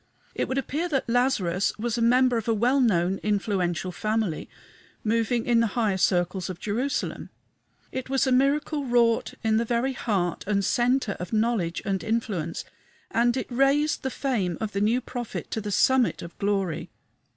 It would appear that Lazarus was a member of a well known, influential family, moving in the higher circles of Jerusalem. It was a miracle wrought in the very heart and centre of knowledge and influence, and it raised the fame of the new prophet to the summit of glory.